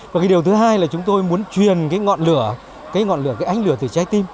và điều thứ hai là chúng tôi muốn truyền cái ngọn lửa cái ánh lửa từ trái tim